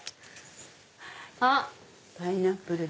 あっパイナップル！